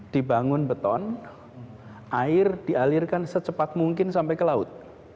dibangun beton air dialirkan secepat mungkin sampai ke laut